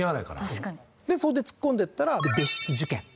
でそれで突っ込んでいったら別室受験。